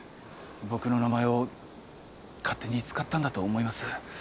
僕の名前を勝手に使ったんだと思います。